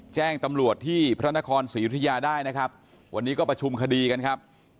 แจ้งตำรวจที่พระนครศรียุธยาได้นะครับวันนี้ก็ประชุมคดีกันครับ